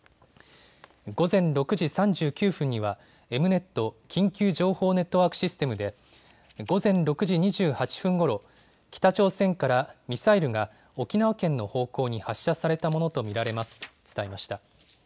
午前６時３９分にはエムネット・緊急情報ネットワークシステムで午前６時２８分ごろ、北朝鮮からミサイルが沖縄県の方向に発射されたものと見られますと伝えました。